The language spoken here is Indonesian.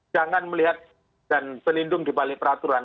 jangan melihat dan pelindung dibalik peraturan